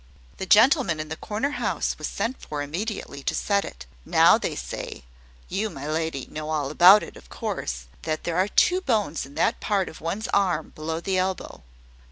The gentleman in the corner house was sent for immediately, to set it. Now they say (you, my lady, know all about it, of course,) that there are two bones in that part of one's arm, below the elbow."